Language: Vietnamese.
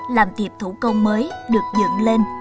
làm thiệp thủ công mới được dựng lên